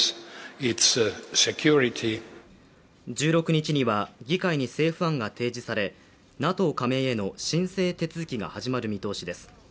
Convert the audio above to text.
１６日には議会に政府案が提示されＮＡＴＯ加盟への申請手続きが始まる見通しです。